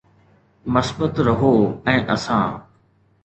مثبت رهو ۽ اسان